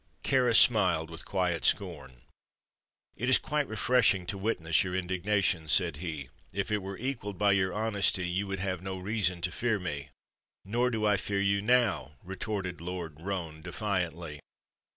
Kāra smiled with quiet scorn. "It is quite refreshing to witness your indignation," said he. "If it were equaled by your honesty, you would have no reason to fear me." "Nor do I fear you now," retorted Lord Roane, defiantly.